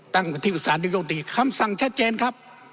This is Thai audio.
ตั้งเป็นที่ปรึกษานายกรมนตรีคำสั่งชัดเจนนี่ครับ